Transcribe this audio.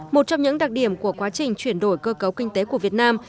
một trong những đặc điểm của quá trình chuyển đổi cơ cấu kinh tế của việt nam